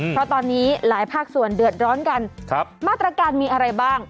เพราะตอนนี้หลายภาคส่วนเดือดร้อนกันมาตรการมีอะไรบ้าง